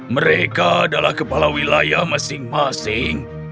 mereka adalah kepala wilayah masing masing